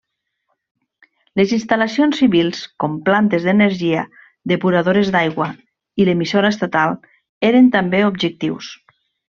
Les instal·lacions civils com plantes d'energia, depuradores d'aigua i l'emissora estatal eren també objectius.